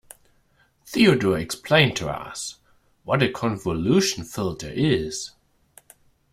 Theodore explained to us what a convolution filter is.